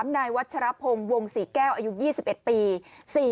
นายวัชรพงศ์วงศรีแก้วอายุ๒๑ปี